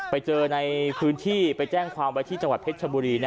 ไปเจอในพื้นที่ไปแจ้งความไว้ที่จังหวัดเพชรชบุรี